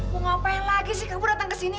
mau ngapain lagi sih kamu datang kesini ya